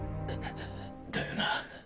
だよな。